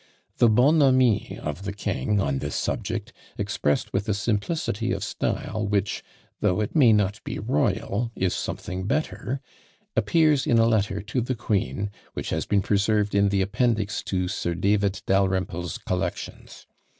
The bonhommie of the king, on this subject, expressed with a simplicity of style which, though it may not be royal, is something better, appears in a letter to the queen, which has been preserved in the appendix to Sir David Dalrymple's collections.